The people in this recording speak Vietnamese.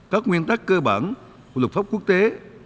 các nguyên tắc cơ bản của luật pháp quốc tế